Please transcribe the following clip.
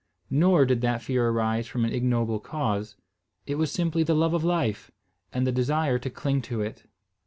Nor did that fear arise from an ignoble cause. It was simply the love of life, and the desire to cling to it.